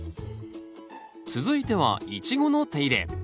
続いてはイチゴの手入れ。